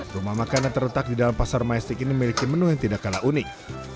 rumah makan yang terletak di dalam pasar majestic ini memiliki menu yang tidak kalah unik